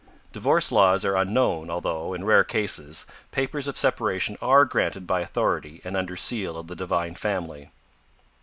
Divorce laws are unknown, although, in rare cases, papers of separation are granted by authority and under seal of the Divine Family.